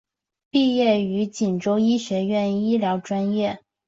毕业于锦州医学院医疗专业。